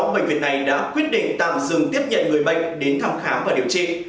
sáu bệnh viện này đã quyết định tạm dừng tiếp nhận người bệnh đến thăm khám và điều trị